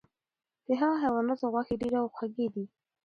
د هغو حیواناتو غوښې ډیرې خوږې دي،